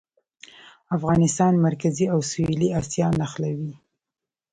افغانستان مرکزي او سویلي اسیا نښلوي